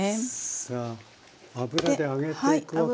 さあ油で揚げていくわけですね。